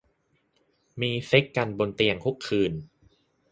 มีเซ็กส์กันบนเตียงทุกคืน